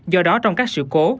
do đó trong các sự cố